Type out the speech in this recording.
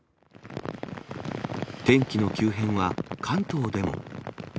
天気の急変は関東でも。